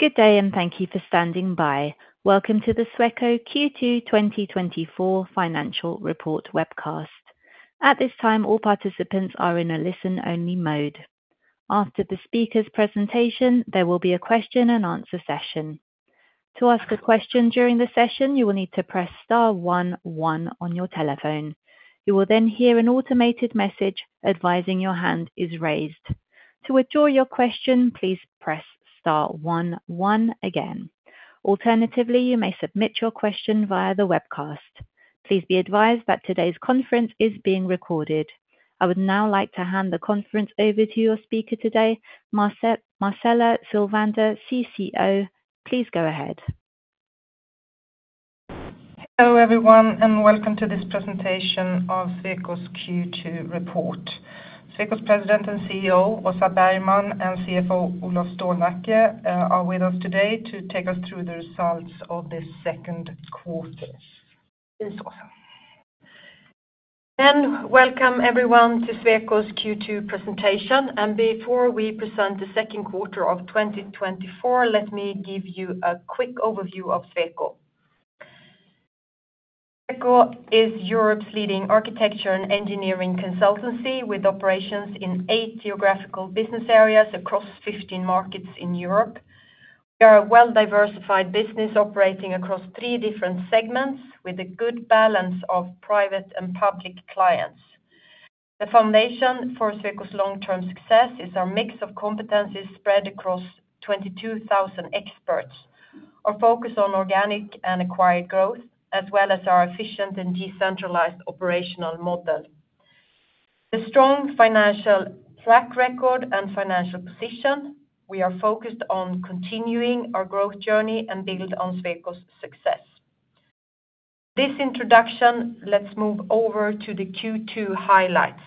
Good day, and thank you for standing by. Welcome to the Sweco Q2 2024 financial report webcast. At this time, all participants are in a listen-only mode. After the speaker's presentation, there will be a question and answer session. To ask a question during the session, you will need to press star one one on your telephone. You will then hear an automated message advising your hand is raised. To withdraw your question, please press star one one again. Alternatively, you may submit your question via the webcast. Please be advised that today's conference is being recorded. I would now like to hand the conference over to your speaker today, Marcela Sylvander, CCO. Please go ahead. Hello, everyone, and welcome to this presentation of Sweco's Q2 report. Sweco's president and CEO, Åsa Bergman, and CFO, Olof Stålnacke, are with us today to take us through the results of this second quarter. Please, Åsa. Welcome everyone to Sweco's Q2 presentation. Before we present the second quarter of 2024, let me give you a quick overview of Sweco. Sweco is Europe's leading architecture and engineering consultancy, with operations in eight geographical business areas across 15 markets in Europe. We are a well-diversified business operating across three different segments with a good balance of private and public clients. The foundation for Sweco's long-term success is our mix of competencies spread across 22,000 experts, our focus on organic and acquired growth, as well as our efficient and decentralized operational model. The strong financial track record and financial position, we are focused on continuing our growth journey and build on Sweco's success. This introduction, let's move over to the Q2 highlights.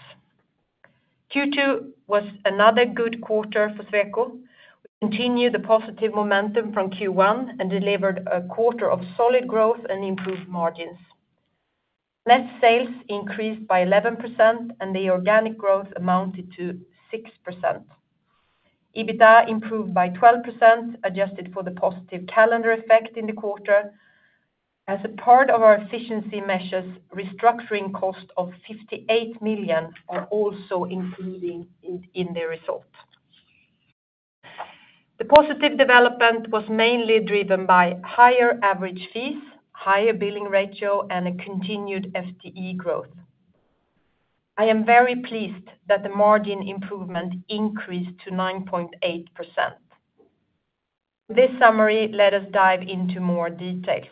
Q2 was another good quarter for Sweco. We continued the positive momentum from Q1 and delivered a quarter of solid growth and improved margins. Net sales increased by 11%, and the organic growth amounted to 6%. EBITDA improved by 12%, adjusted for the positive calendar effect in the quarter. As a part of our efficiency measures, restructuring cost of 58 million are also included in the result. The positive development was mainly driven by higher average fees, higher billing ratio, and a continued FTE growth. I am very pleased that the margin improvement increased to 9.8%. This summary, let us dive into more details.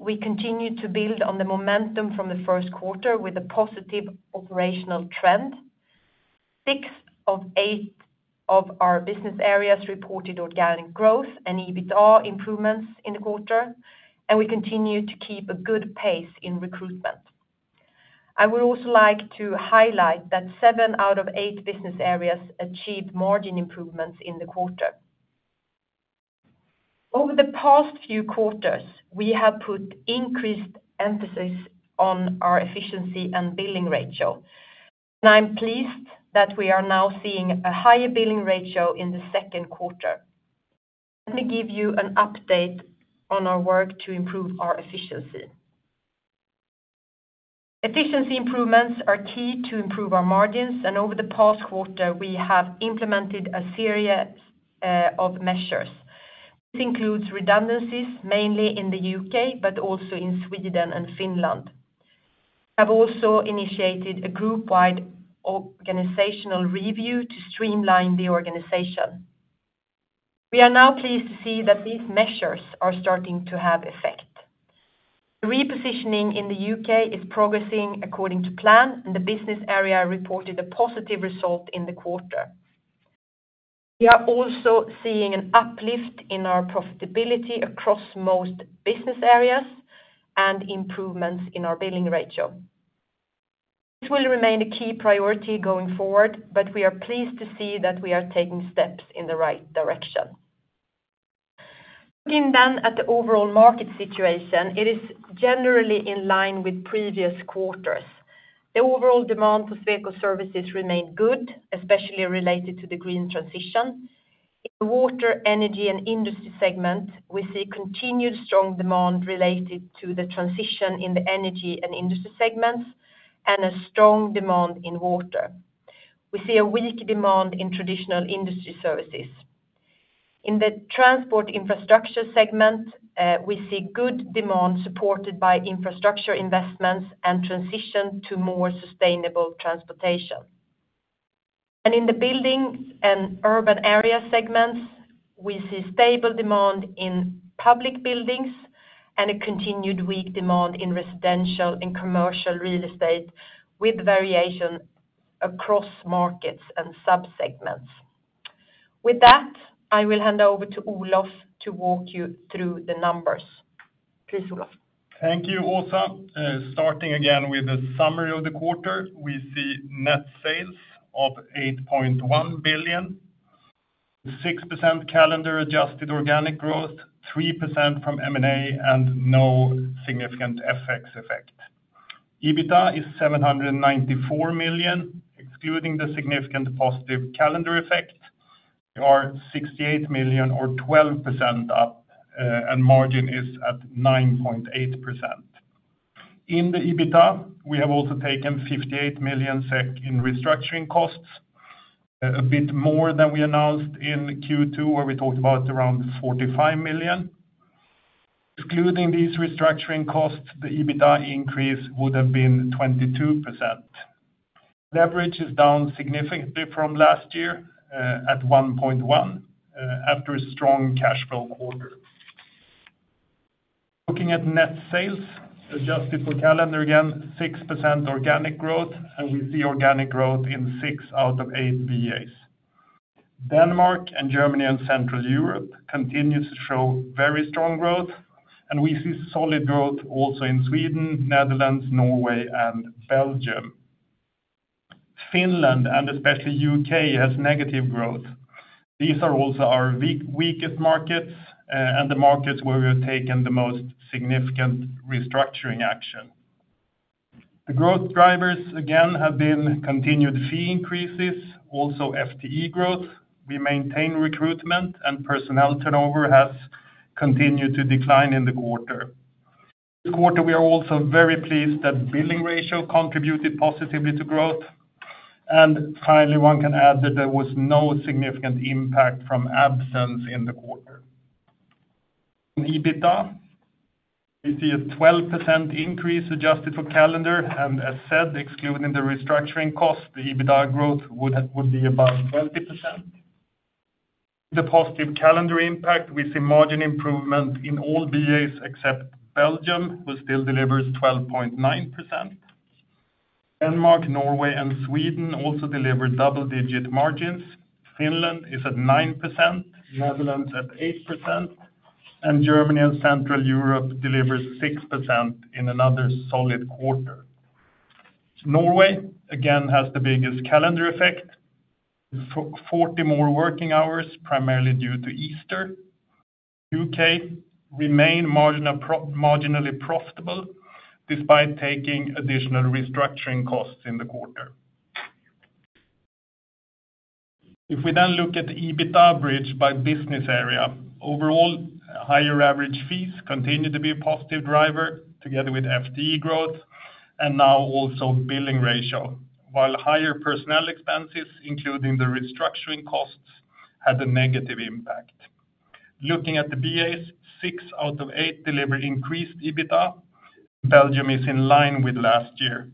We continued to build on the momentum from the first quarter with a positive operational trend. six of eight of our business areas reported organic growth and EBITDA improvements in the quarter, and we continued to keep a good pace in recruitment. I would also like to highlight that seven out of eight business areas achieved margin improvements in the quarter. Over the past few quarters, we have put increased emphasis on our efficiency and billing ratio, and I'm pleased that we are now seeing a higher billing ratio in the second quarter. Let me give you an update on our work to improve our efficiency. Efficiency improvements are key to improve our margins, and over the past quarter, we have implemented a series of measures. This includes redundancies, mainly in the UK, but also in Sweden and Finland. Have also initiated a group-wide organizational review to streamline the organization. We are now pleased to see that these measures are starting to have effect. The repositioning in the UK is progressing according to plan, and the business area reported a positive result in the quarter. We are also seeing an uplift in our profitability across most business areas and improvements in our billing ratio. This will remain a key priority going forward, but we are pleased to see that we are taking steps in the right direction. Looking then at the overall market situation, it is generally in line with previous quarters. The overall demand for Sweco services remained good, especially related to the green transition. In water, energy, and industry segment, we see continued strong demand related to the transition in the energy and industry segments, and a strong demand in water. We see a weak demand in traditional industry services. In the transport infrastructure segment, we see good demand supported by infrastructure investments and transition to more sustainable transportation. In the buildings and urban area segments, we see stable demand in public buildings and a continued weak demand in residential and commercial real estate, with variation across markets and subsegments. With that, I will hand over to Olof to walk you through the numbers. Please, Olof. Thank you, Åsa. Starting again with a summary of the quarter, we see net sales of 8.1 billion, 6% calendar-adjusted organic growth, 3% from M&A, and no significant FX effect. EBITDA is 794 million, excluding the significant positive calendar effect, or 68 million, or 12% up, and margin is at 9.8%. In the EBITDA, we have also taken 58 million SEK in restructuring costs, a bit more than we announced in Q2, where we talked about around 45 million. Excluding these restructuring costs, the EBITDA increase would have been 22%. Leverage is down significantly from last year, at 1.1, after a strong cash flow quarter. Looking at net sales, adjusted for calendar, again, 6% organic growth, and we see organic growth in six out of eight BAs. Denmark and Germany and Central Europe continues to show very strong growth, and we see solid growth also in Sweden, Netherlands, Norway, and Belgium. Finland, and especially UK, has negative growth. These are also our weakest markets, and the markets where we have taken the most significant restructuring action. The growth drivers, again, have been continued fee increases, also FTE growth. We maintain recruitment, and personnel turnover has continued to decline in the quarter. This quarter, we are also very pleased that billing ratio contributed positively to growth. And finally, one can add that there was no significant impact from absence in the quarter. In EBITDA, we see a 12% increase adjusted for calendar, and as said, excluding the restructuring cost, the EBITDA growth would be about 20%. The positive calendar impact, we see margin improvement in all BAs except Belgium, who still delivers 12.9%. Denmark, Norway, and Sweden also deliver double-digit margins. Finland is at 9%, Netherlands at 8%, and Germany and Central Europe delivers 6% in another solid quarter. Norway, again, has the biggest calendar effect, 40 more working hours, primarily due to Easter. UK remain marginally profitable, despite taking additional restructuring costs in the quarter. If we then look at the EBITDA bridge by business area, overall, higher average fees continue to be a positive driver, together with FTE growth, and now also billing ratio, while higher personnel expenses, including the restructuring costs, had a negative impact. Looking at the BAs, six out of eight delivered increased EBITDA. Belgium is in line with last year.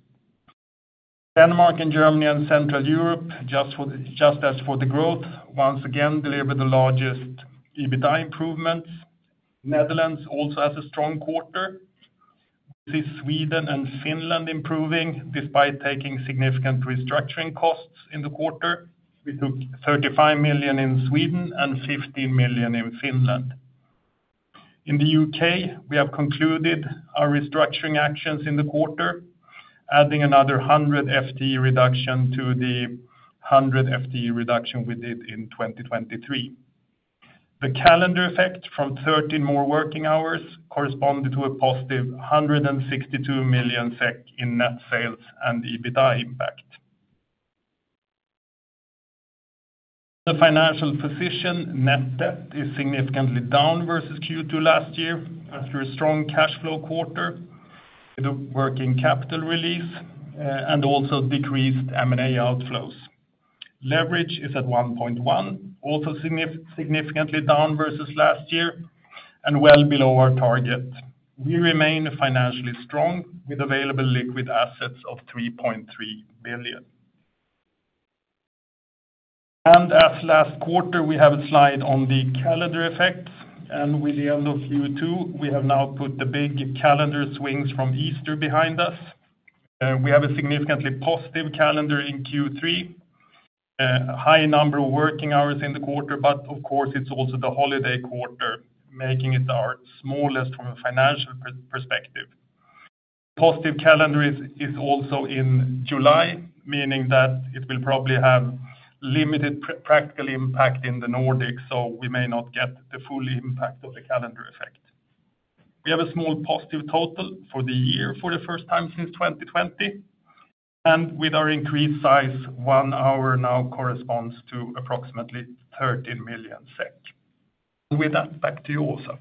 Denmark and Germany and Central Europe, just for the, just as for the growth, once again, delivered the largest EBITDA improvements. Netherlands also has a strong quarter. This is Sweden and Finland improving, despite taking significant restructuring costs in the quarter. We took 35 million in Sweden and 15 million in Finland. In the UK, we have concluded our restructuring actions in the quarter, adding another 100 FTE reduction to the 100 FTE reduction we did in 2023. The calendar effect from 13 more working hours corresponded to a positive 162 million SEK in net sales and EBITDA impact. The financial position, net debt, is significantly down versus Q2 last year after a strong cash flow quarter, with a working capital release, and also decreased M&A outflows. Leverage is at 1.1, also significantly down versus last year, and well below our target. We remain financially strong, with available liquid assets of 3.3 billion. And as last quarter, we have a slide on the calendar effect, and with the end of Q2, we have now put the big calendar swings from Easter behind us. We have a significantly positive calendar in Q3, high number of working hours in the quarter, but of course, it's also the holiday quarter, making it our smallest from a financial perspective. Positive calendar is also in July, meaning that it will probably have limited practical impact in the Nordics, so we may not get the full impact of the calendar effect. We have a small positive total for the year for the first time since 2020, and with our increased size, one hour now corresponds to approximately 13 million SEK. With that, back to you, Åsa.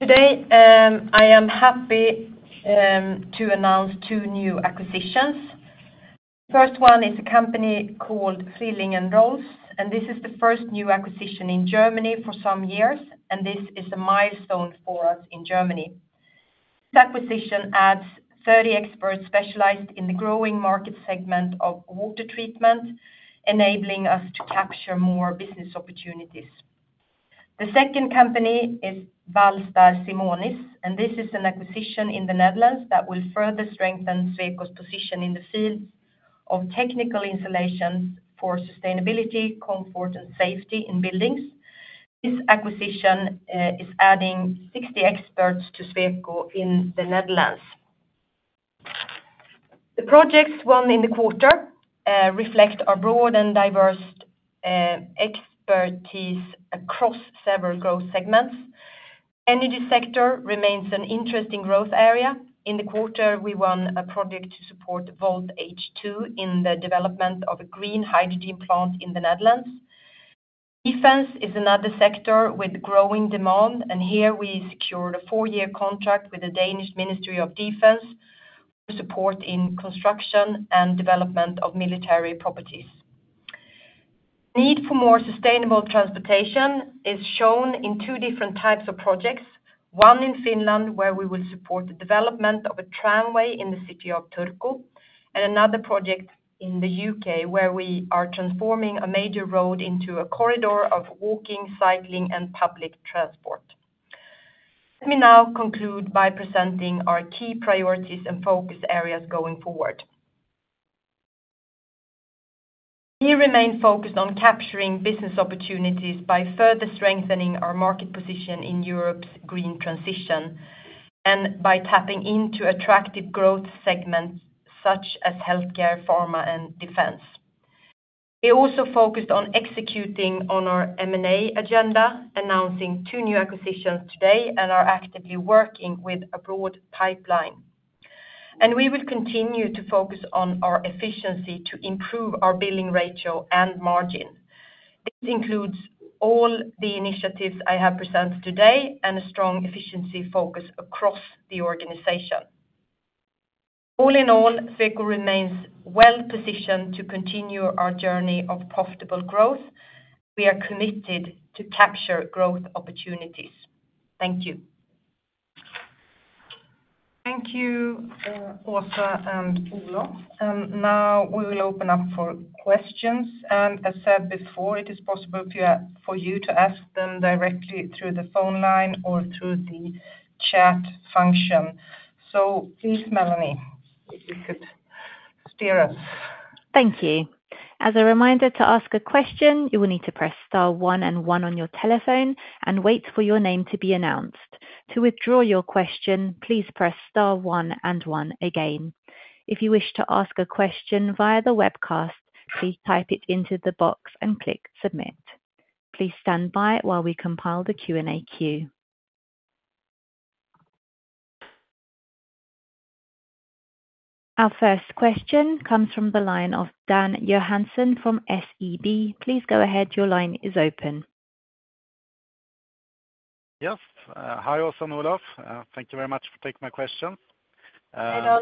Today, I am happy to announce two new acquisitions. First one is a company called Frilling + Rolfs, and this is the first new acquisition in Germany for some years, and this is a milestone for us in Germany. This acquisition adds 30 experts specialized in the growing market segment of water treatment, enabling us to capture more business opportunities. The second company is Valstar Simonis, and this is an acquisition in the Netherlands that will further strengthen Sweco's position in the field of technical installations for sustainability, comfort, and safety in buildings. This acquisition is adding 60 experts to Sweco in the Netherlands. The projects won in the quarter reflect our broad and diverse expertise across several growth segments. Energy sector remains an interesting growth area. In the quarter, we won a project to support VoltH2 in the development of a green hydrogen plant in the Netherlands. Defense is another sector with growing demand, and here we secured a four-year contract with the Danish Ministry of Defence to support in construction and development of military properties. Need for more sustainable transportation is shown in two different types of projects, one in Finland, where we will support the development of a tramway in the city of Turku, and another project in the UK, where we are transforming a major road into a corridor of walking, cycling, and public transport. Let me now conclude by presenting our key priorities and focus areas going forward. We remain focused on capturing business opportunities by further strengthening our market position in Europe's green transition, and by tapping into attractive growth segments such as healthcare, pharma, and defense. We also focused on executing on our M&A agenda, announcing two new acquisitions today, and are actively working with a broad pipeline. We will continue to focus on our efficiency to improve our billing ratio and margin. This includes all the initiatives I have presented today and a strong efficiency focus across the organization. All in all, Sweco remains well positioned to continue our journey of profitable growth. We are committed to capture growth opportunities. Thank you. Thank you, Åsa and Olof. And now we will open up for questions, and as said before, it is possible for you to ask them directly through the phone line or through the chat function. So please, Melanie, if you could steer us. Thank you. As a reminder, to ask a question, you will need to press star one and one on your telephone and wait for your name to be announced. To withdraw your question, please press star one and one again. If you wish to ask a question via the webcast, please type it into the box and click Submit. Please stand by while we compile the Q&A queue. Our first question comes from the line of Dan Johansson from SEB. Please go ahead. Your line is open. Yes. Hi, Åsa and Olof. Thank you very much for taking my question. Hello.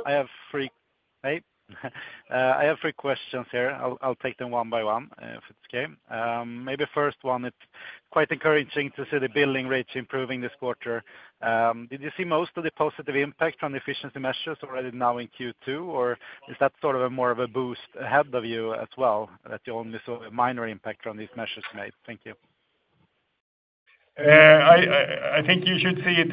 I have three questions here. I'll take them one by one, if it's okay. Maybe first one, it's quite encouraging to see the billing rates improving this quarter. Did you see most of the positive impact on the efficiency measures already now in Q2, or is that sort of a more of a boost ahead of you as well, that you only saw a minor impact on these measures made? Thank you. I think you should see it.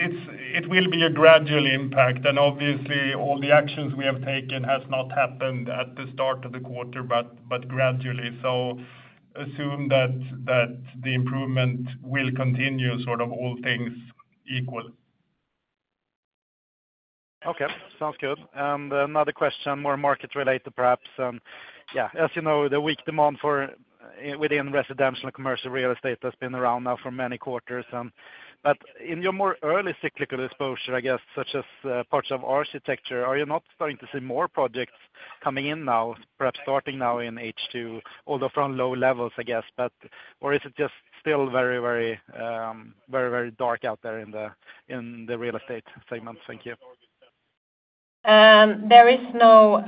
It will be a gradual impact, and obviously all the actions we have taken has not happened at the start of the quarter, but gradually. So assume that the improvement will continue, sort of all things equal. Okay. Sounds good. And another question, more market related, perhaps. Yeah, as you know, the weak demand for within residential and commercial real estate has been around now for many quarters, but in your more early cyclical exposure, I guess, such as parts of architecture, are you not starting to see more projects coming in now, perhaps starting now in H2, although from low levels, I guess, but or is it just still very, very, very, very dark out there in the real estate segment? Thank you. There is no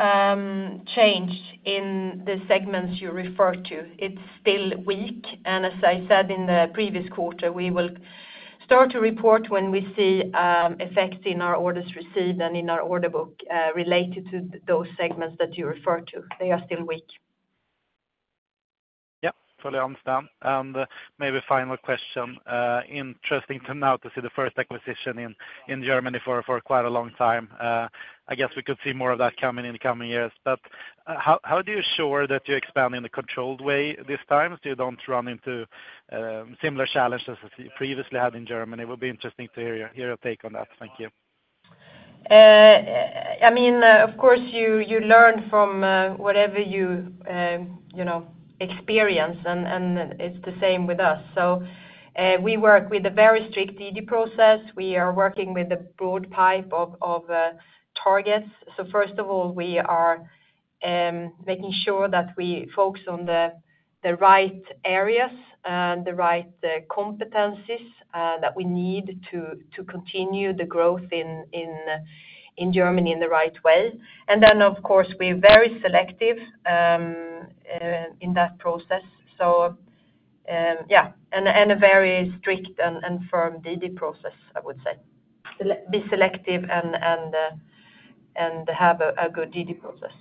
change in the segments you refer to. It's still weak, and as I said in the previous quarter, we will start to report when we see effects in our orders received and in our order book, related to those segments that you refer to. They are still weak. Yep. Fully understand. And maybe final question. Interesting to now see the first acquisition in Germany for quite a long time. I guess we could see more of that coming in the coming years. But how do you assure that you expand in a controlled way this time, so you don't run into similar challenges as you previously had in Germany? It would be interesting to hear your take on that. Thank you. I mean, of course, you, you learn from, whatever you, you know, experience, and, and it's the same with us. So, we work with a very strict DD process. We are working with a broad pipe of targets. So first of all, we are making sure that we focus on the right areas, the right competencies that we need to continue the growth in Germany in the right way. And then, of course, we're very selective in that process. So, yeah, and a very strict and firm DD process, I would say. Be selective and have a good DD process.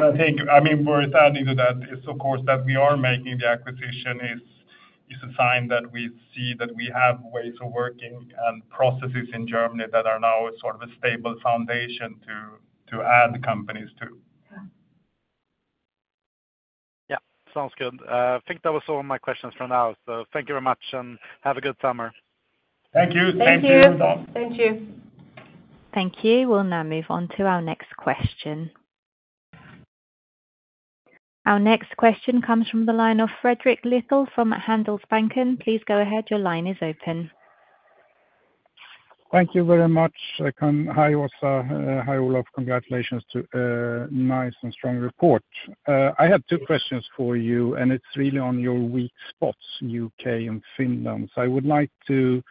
I think, I mean, worth adding to that is, of course, that we are making the acquisition is a sign that we see that we have ways of working and processes in Germany that are now sort of a stable foundation to add companies to.... Yeah, sounds good. I think that was all my questions for now. Thank you very much, and have a good summer. Thank you. Thank you. Thank you, and bye. Thank you. Thank you. We'll now move on to our next question. Our next question comes from the line of Fredrik Littell from Handelsbanken. Please go ahead. Your line is open. Thank you very much. I can, hi, Åsa, hi, Olof. Congratulations to a nice and strong report. I have two questions for you, and it's really on your weak spots, UK and Finland. So I would like to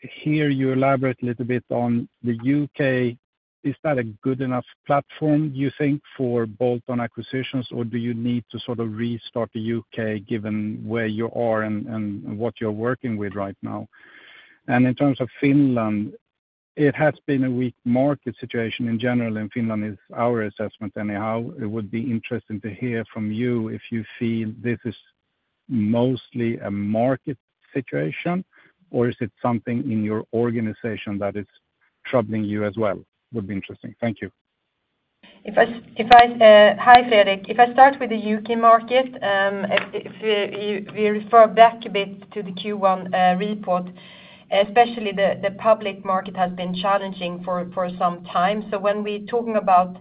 hear you elaborate a little bit on the UK Is that a good enough platform, do you think, for bolt-on acquisitions, or do you need to sort of restart the UK, given where you are and, and, and what you're working with right now? And in terms of Finland, it has been a weak market situation in general, and Finland is our assessment. Anyhow, it would be interesting to hear from you if you feel this is mostly a market situation, or is it something in your organization that is troubling you as well? Would be interesting. Thank you. Hi, Fredrik. If I start with the UK market, we refer back a bit to the Q1 report, especially the public market has been challenging for some time. So when we're talking about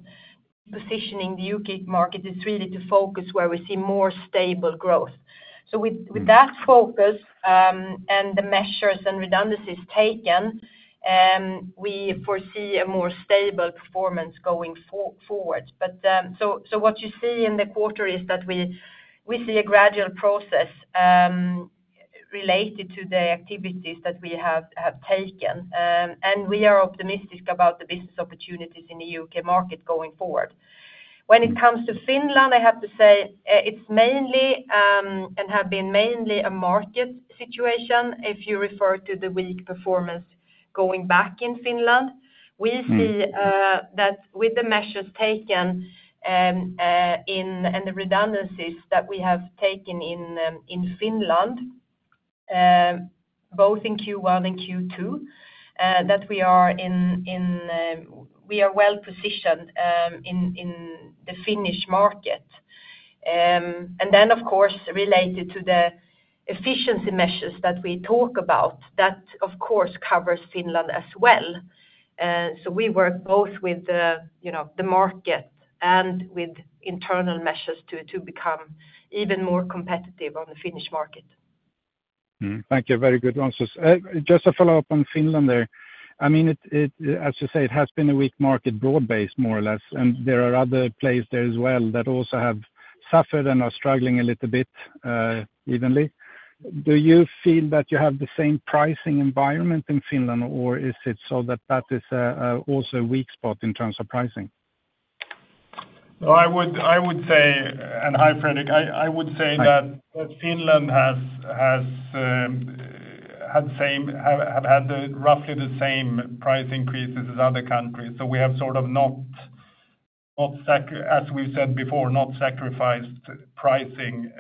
positioning the UK market, it's really to focus where we see more stable growth. So with- Mm. -with that focus, and the measures and redundancies taken, we foresee a more stable performance going forward. But what you see in the quarter is that we see a gradual process related to the activities that we have taken. And we are optimistic about the business opportunities in the UK market going forward. When it comes to Finland, I have to say, it's mainly and have been mainly a market situation, if you refer to the weak performance going back in Finland. Mm. We see that with the measures taken in and the redundancies that we have taken in in Finland both in Q1 and Q2 that we are in in we are well positioned in in the Finnish market. And then, of course, related to the efficiency measures that we talk about, that of course covers Finland as well. So we work both with the, you know, the market and with internal measures to become even more competitive on the Finnish market. Thank you. Very good answers. Just a follow-up on Finland there. I mean, it, it, as you say, it has been a weak market, broad-based more or less, and there are other places there as well that also have suffered and are struggling a little bit, evenly. Do you feel that you have the same pricing environment in Finland, or is it so that that is a, a, also a weak spot in terms of pricing? Well, I would say, and hi, Fredrik, I would say- Hi -that Finland has had the same price increases as other countries. So we have sort of not sacrificed pricing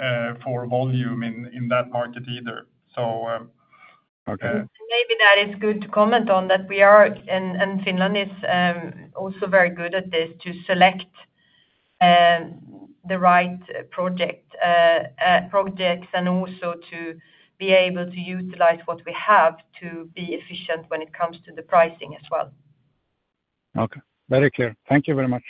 for volume in that market either. Okay. Maybe that is good to comment on, that we are, and Finland is also very good at this, to select the right project, projects, and also to be able to utilize what we have to be efficient when it coming to the pricing as well. Okay. Very clear. Thank you very much.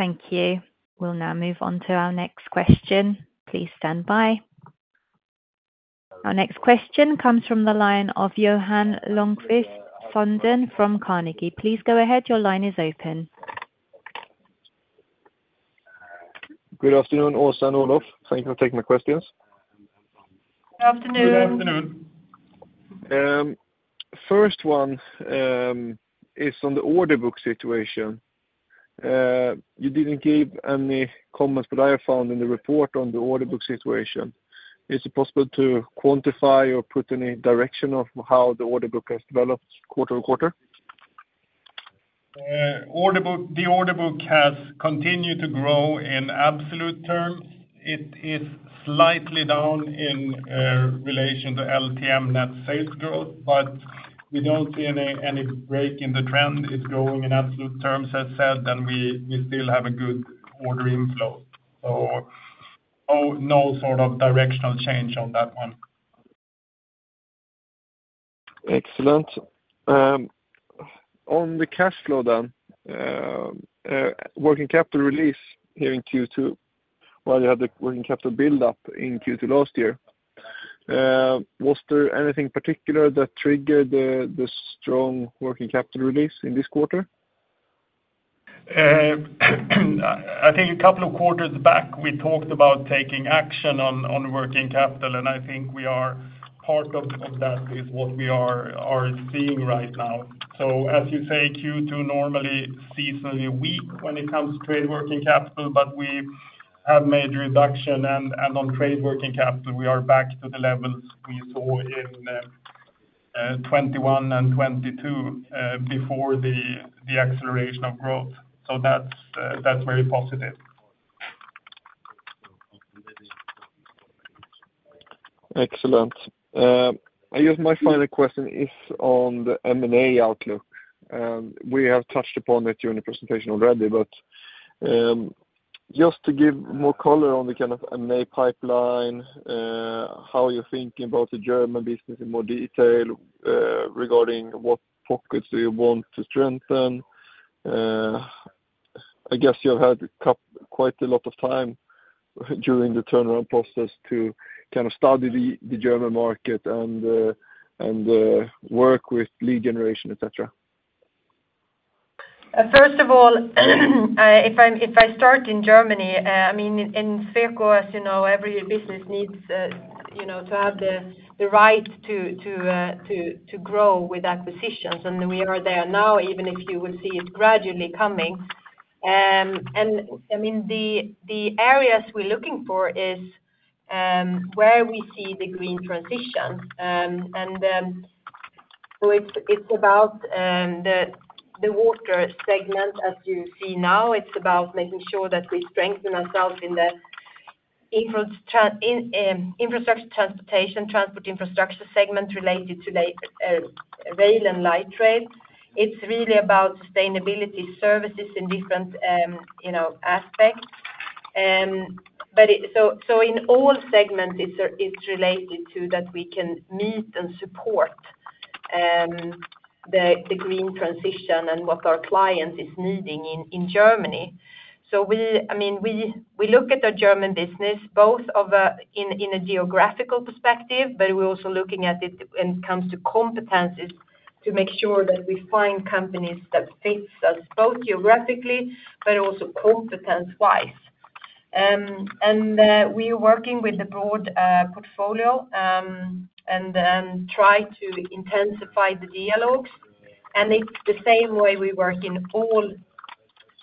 Thank you. We'll now move on to our next question. Please stand by. Our next question comes from the line of Johan Ljungqvist from Carnegie. Please go ahead. Your line is open. Good afternoon, Åsa and Olof. Thank you for taking my questions. Good afternoon. Good afternoon. First one is on the order book situation. You didn't give any comments that I have found in the report on the order book situation. Is it possible to quantify or put any direction of how the order book has developed quarter-on-quarter? Order book, the order book has continued to grow in absolute terms. It is slightly down in relation to LTM net sales growth, but we don't see any break in the trend. It's growing in absolute terms, as said, and we still have a good order inflow. So, no sort of directional change on that one. Excellent. On the cash flow down, working capital release here in Q2, while you had the working capital build up in Q2 last year, was there anything particular that triggered the strong working capital release in this quarter? I think a couple of quarters back, we talked about taking action on working capital, and I think we are. Part of that is what we are seeing right now. So as you say, Q2 normally seasonally weak when it comes to trade working capital, but we have made reduction. And on trade working capital, we are back to the levels we saw in 2021 and 2022, before the acceleration of growth. So that's very positive.... Excellent. I guess my final question is on the M&A outlook. We have touched upon it during the presentation already, but just to give more color on the kind of M&A pipeline, how you're thinking about the German business in more detail, regarding what pockets do you want to strengthen? I guess you have had quite a lot of time during the turnaround process to kind of study the German market and work with lead generation, et cetera. First of all, if I start in Germany, I mean, in Sweco, as you know, every business needs, you know, to have the right to grow with acquisitions, and we are there now, even if you will see it gradually coming. And, I mean, the areas we're looking for is where we see the green transition. So it's about the water segment, as you see now. It's about making sure that we strengthen ourselves in the infrastructure, transportation, transport infrastructure segment related to the rail and light rail. It's really about sustainability services in different, you know, aspects. But so in all segments, it's related to that we can meet and support the green transition and what our client is needing in Germany. So we, I mean, we look at the German business both in a geographical perspective, but we're also looking at it when it comes to competencies to make sure that we find companies that fits us both geographically but also competence-wise. And we are working with a broad portfolio and try to intensify the dialogues. And it's the same way we work in all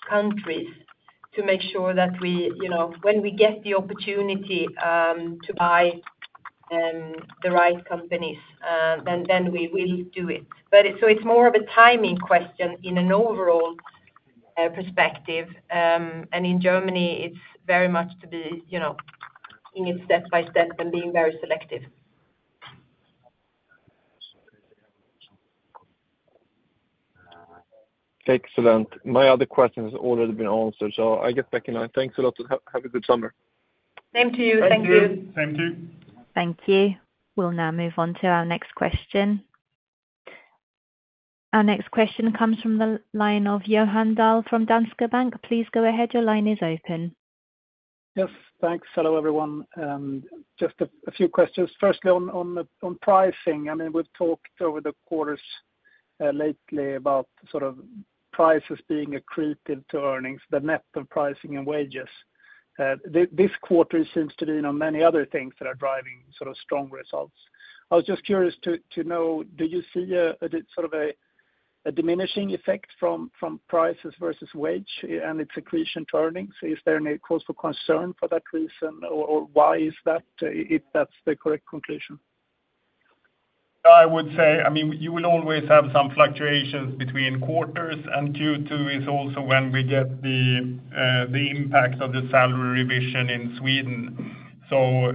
countries to make sure that we, you know, when we get the opportunity to buy the right companies, then we will do it. But it's more of a timing question in an overall perspective. In Germany, it's very much to be, you know, in it step by step and being very selective. Excellent. My other question has already been answered, so I get back in line. Thanks a lot, and have a good summer. Same to you. Thank you. Thank you. Same to you. Thank you. We'll now move on to our next question. Our next question comes from the line of Johan Dahl from Danske Bank. Please go ahead. Your line is open. Yes, thanks. Hello, everyone. Just a few questions. Firstly, on the pricing. I mean, we've talked over the quarters lately about sort of prices being accretive to earnings, the net of pricing and wages. This quarter seems to be, you know, many other things that are driving sort of strong results. I was just curious to know, do you see a sort of a diminishing effect from prices versus wage, and its accretion to earnings? Is there any cause for concern for that reason, or why is that, if that's the correct conclusion? I would say, I mean, you will always have some fluctuations between quarters, and Q2 is also when we get the, the impact of the salary revision in Sweden. So,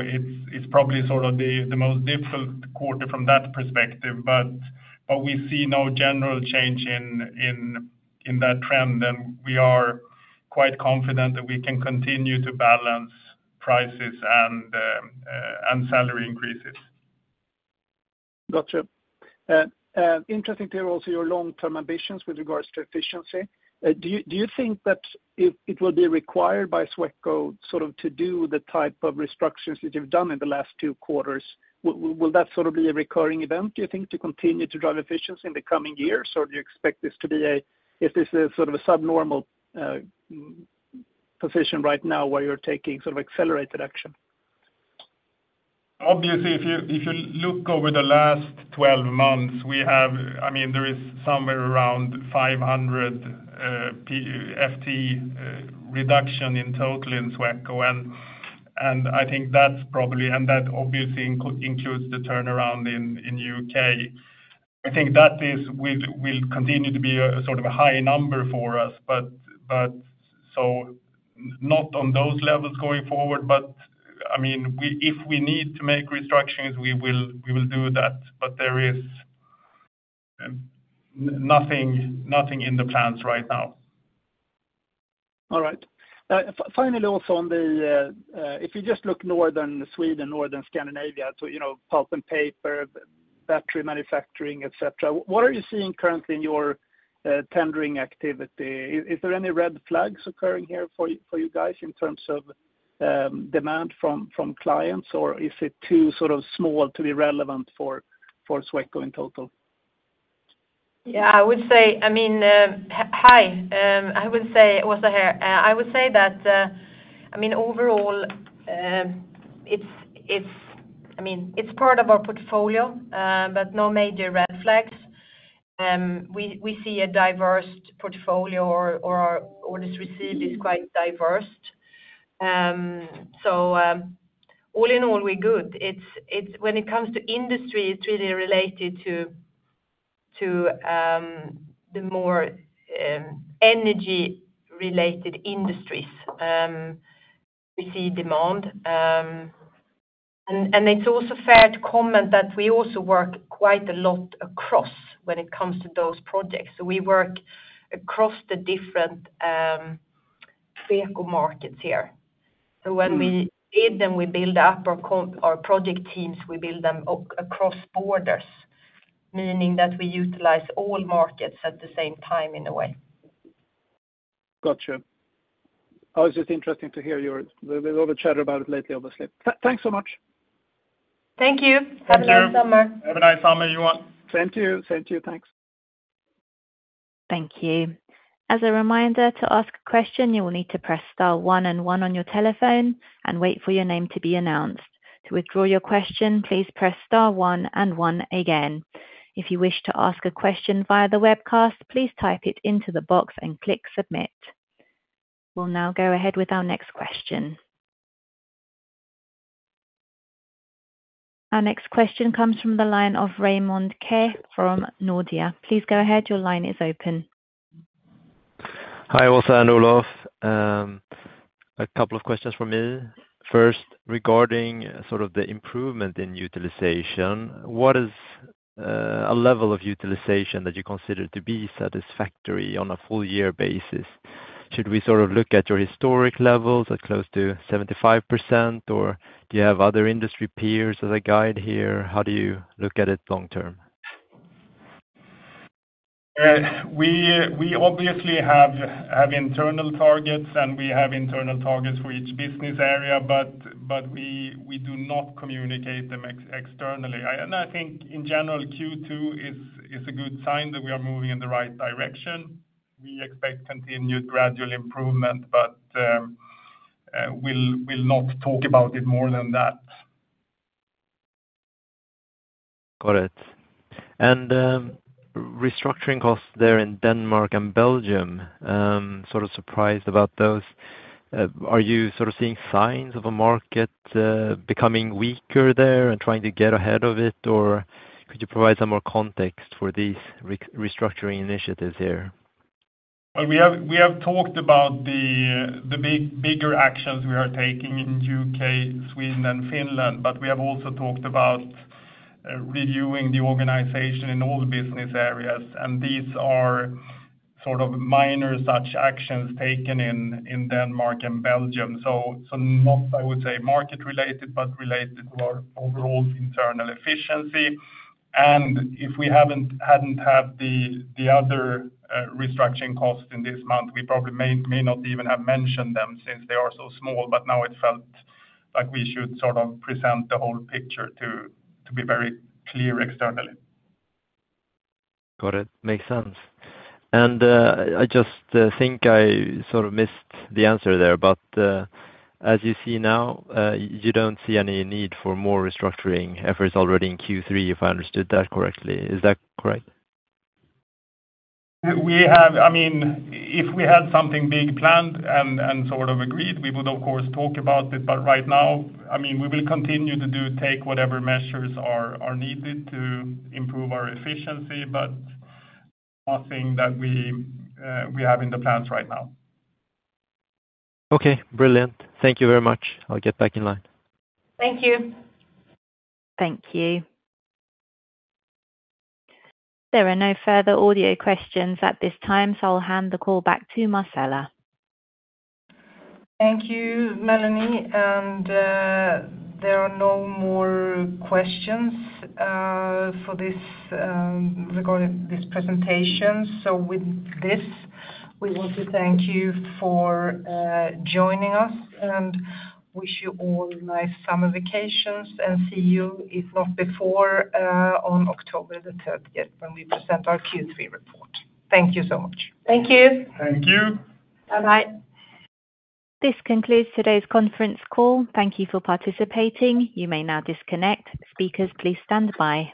it's probably sort of the most difficult quarter from that perspective. But we see no general change in that trend, and we are quite confident that we can continue to balance prices and salary increases. Gotcha. Interesting too, also, your long-term ambitions with regards to efficiency. Do you think that it will be required by Sweco sort of to do the type of restructures that you've done in the last two quarters? Will that sort of be a recurring event, do you think, to continue to drive efficiency in the coming years, or do you expect this to be a, if this is sort of a subnormal position right now, where you're taking sort of accelerated action? Obviously, if you look over the last twelve months, we have—I mean, there is somewhere around 500 FTE reduction in total in Sweco. And I think that's probably—and that obviously includes the turnaround in UK. I think that will continue to be a sort of a high number for us, but so not on those levels going forward. But I mean, we, if we need to make restructures, we will do that, but there is nothing in the plans right now. All right. Finally, also, on the if you just look Northern Sweden, Northern Scandinavia, so, you know, pulp and paper, battery manufacturing, et cetera, what are you seeing currently in your tendering activity? Is there any red flags occurring here for you guys in terms of demand from clients, or is it too sort of small to be relevant for Sweco in total? Yeah, I would say, I mean, hi, I would say, Åsa here. I would say that, I mean, overall, it's part of our portfolio, but no major red flags. We see a diverse portfolio or our orders received is quite diverse. So, all in all, we're good. It's when it comes to industry, it's really related to the more energy related industries, we see demand. And it's also fair to comment that we also work quite a lot across when it comes to those projects. So we work across the different Sweco markets here. So when we build them, we build up our project teams, we build them across borders, meaning that we utilize all markets at the same time, in a way. Gotcha. Oh, it's just interesting to hear your - there's been a lot of chatter about it lately, obviously. Thanks so much. Thank you. Thank you. Have a nice summer. Have a nice summer, everyone. Same to you. Same to you, thanks. Thank you. As a reminder, to ask a question, you will need to press star one and one on your telephone and wait for your name to be announced. To withdraw your question, please press star one and one again. If you wish to ask a question via the webcast, please type it into the box and click submit. We'll now go ahead with our next question. Our next question comes from the line of Raymond Ke from Nordea. Please go ahead. Your line is open. Hi, Åsa and Olof. A couple of questions from me. First, regarding sort of the improvement in utilization, what is a level of utilization that you consider to be satisfactory on a full year basis? Should we sort of look at your historic levels at close to 75%, or do you have other industry peers as a guide here? How do you look at it long term? We obviously have internal targets for each business area, but we do not communicate them externally. And I think in general, Q2 is a good sign that we are moving in the right direction. We expect continued gradual improvement, but we'll not talk about it more than that. Got it. And restructuring costs there in Denmark and Belgium, sort of surprised about those. Are you sort of seeing signs of a market becoming weaker there and trying to get ahead of it? Or could you provide some more context for these restructuring initiatives here? Well, we have talked about the bigger actions we are taking in UK, Sweden, and Finland, but we have also talked about reviewing the organization in all the business areas, and these are sort of minor such actions taken in Denmark and Belgium. So not, I would say, market related, but related to our overall internal efficiency. And if we hadn't had the other restructuring cost in this month, we probably may not even have mentioned them since they are so small, but now it felt like we should sort of present the whole picture to be very clear externally. Got it. Makes sense. And, I just, think I sort of missed the answer there, but, as you see now, you don't see any need for more restructuring efforts already in Q3, if I understood that correctly. Is that correct? We have, I mean, if we had something big planned and sort of agreed, we would of course talk about it, but right now, I mean, we will continue to take whatever measures are needed to improve our efficiency, but nothing that we have in the plans right now. Okay, brilliant. Thank you very much. I'll get back in line. Thank you. Thank you. There are no further audio questions at this time, so I'll hand the call back to Marcela. Thank you, Melanie, and there are no more questions for this regarding this presentation. So with this, we want to thank you for joining us and wish you all a nice summer vacations, and see you, if not before, on October the third, when we present our Q3 report. Thank you so much. Thank you. Thank you. Bye-bye. This concludes today's conference call. Thank you for participating. You may now disconnect. Speakers, please stand by.